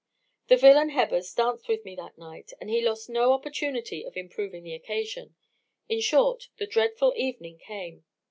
"The villain Hebbers danced with me that night, and he lost no opportunity of improving the occasion. In short, the dreadful evening came.